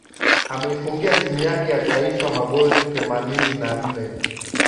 Ameifungia timu yake ya taifa magoli themanini na nne